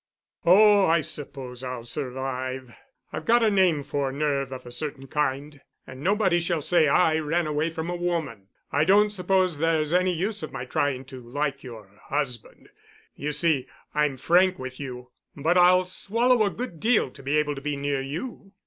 "Oh, I suppose I'll survive. I've got a name for nerve of a certain kind, and nobody shall say I ran away from a woman. I don't suppose there's any use of my trying to like your husband. You see, I'm frank with you. But I'll swallow a good deal to be able to be near you."